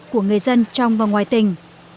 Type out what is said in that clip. của người dân trong và ngoài tỉnh